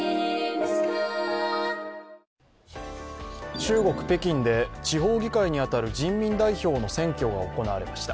中国・北京で地方議会に当たる人民代表の選挙が行われました。